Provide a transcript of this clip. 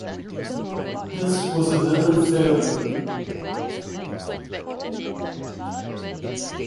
This was another failure.